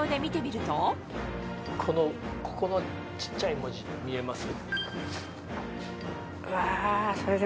ここの小っちゃい文字見えます？